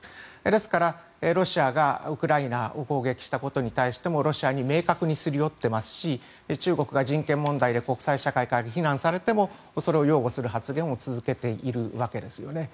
ですから、ロシアがウクライナを攻撃したことに対してもロシアに明確にすり寄っていますし中国が人権問題で国際社会から非難されてもそれを擁護する発言を続けているわけですよね。